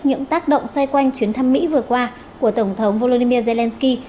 những tác động xoay quanh chuyến thăm mỹ vừa qua của tổng thống volodymyr zelensky